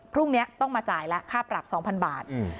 พรุ่งเนี้ยต้องมาจ่ายละค่าปรับสองพันบาทอืม